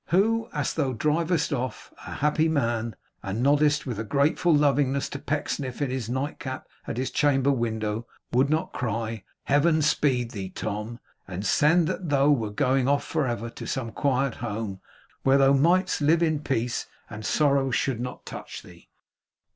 Who, as thou drivest off, a happy, man, and noddest with a grateful lovingness to Pecksniff in his nightcap at his chamber window, would not cry, 'Heaven speed thee, Tom, and send that thou wert going off for ever to some quiet home where thou mightst live at peace, and sorrow should not touch thee!